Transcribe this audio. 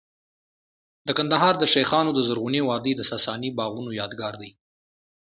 د کندهار د شیخانو د زرغونې وادۍ د ساساني باغونو یادګار دی